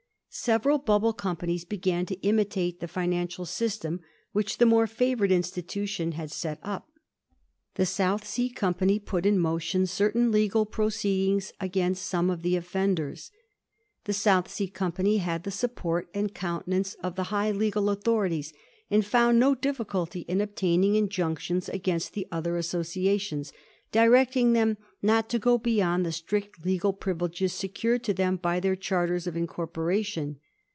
Several bubble companies began to imitate the finan cial system which the more favoured institution had set up. The South Sea Company put in motion certain legal proceedings against some of the oflfend ers. The South Sea Company had the support and countenance of the high legal authorities, and found no difficulty in obtaining injunctions against the other associations, directing them not to go beyond the strict legal privileges secured to them by their charters of incorporation.